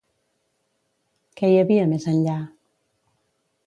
Què hi havia més enllà?